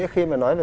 khi mà nói về